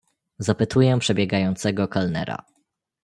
"zapytuję przebiegającego kelnera."